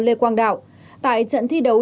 lê quang đạo tại trận thi đấu